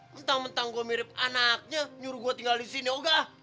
mentang mentang gue mirip anaknya nyuruh gue tinggal disini oh gak